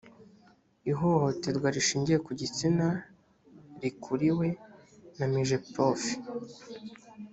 ihohoterwa rishingiye ku gitsina rikuriwe na migeprof